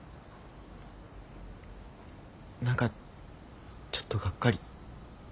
何かちょっとがっかり。